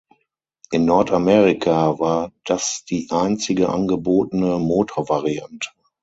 In Nordamerika war das die einzige angebotene Motorvariante.